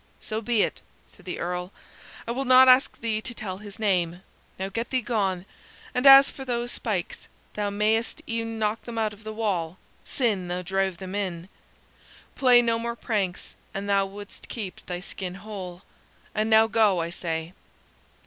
"So be it," said the Earl. "I will not ask thee to tell his name. Now get thee gone! And as for those spikes, thou mayst e'en knock them out of the wall, sin thou drave them in. Play no more pranks an thou wouldst keep thy skin whole. And now go, I say!"